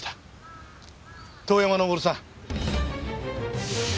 遠山昇さん。